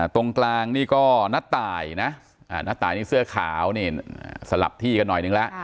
ตรงกลางนี่ก็ณตายนะณตายนี่เสื้อขาวนี่สลับที่กันหน่อยนึงแล้ว